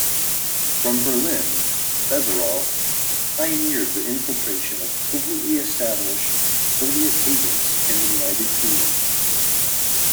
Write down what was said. From Berlin, Bazarov pioneered the infiltration of covertly-established Soviet agents in the United Kingdom.